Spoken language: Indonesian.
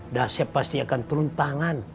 dasep pasti akan turun tangan